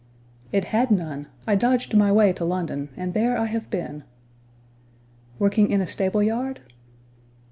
"It had none. I dodged my way to London, and there I have been." "Working in a stable yard?"